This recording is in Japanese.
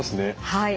はい。